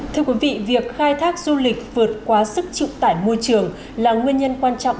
thưa quý vị việc khai thác du lịch vượt quá sức trụ tải môi trường là nguyên nhân quan trọng